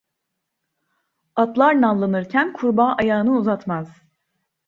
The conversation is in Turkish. Atlar nallanırken kurbağa ayağını uzatmaz.